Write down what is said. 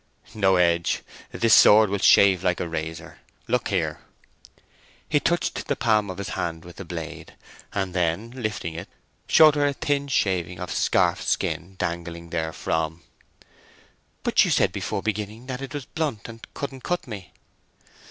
"No edge! This sword will shave like a razor. Look here." He touched the palm of his hand with the blade, and then, lifting it, showed her a thin shaving of scarf skin dangling therefrom. "But you said before beginning that it was blunt and couldn't cut me!"